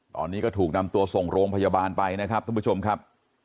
ตอนนี้ก็ถูกนำตัวส่งโรงพยาบาลไปนะครับท่านผู้ชมครับ